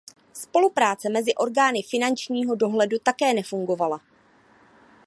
Spolupráce mezi orgány finančního dohledu také nefungovala.